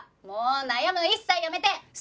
もう悩むの一切やめて！